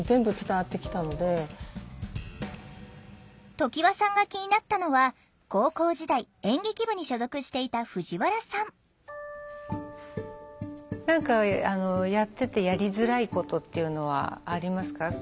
常盤さんが気になったのは高校時代演劇部に所属していた藤原さん何かやっててやりづらいことっていうのはありますか？